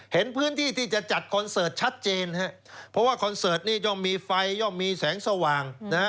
เห็นพื้นที่ที่จะจัดคอนเสิร์ตชัดเจนครับเพราะว่าคอนเสิร์ตนี้ย่อมมีไฟย่อมมีแสงสว่างนะฮะ